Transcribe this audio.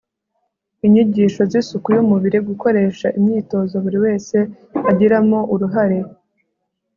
inyigisho z isuku y umubiri, gukoresha imyitozo buri wese agiramo uruhare